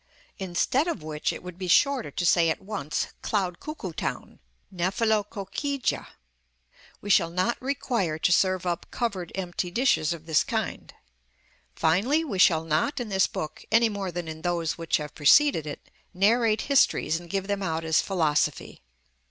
5), instead of which it would be shorter to say at once cloud cuckoo town (νεφελοκοκκυγια): we shall not require to serve up covered empty dishes of this kind. Finally, we shall not in this book, any more than in those which have preceded it, narrate histories and give them out as philosophy.